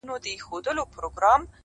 ولي مي هره شېبه، هر ساعت په غم نیسې.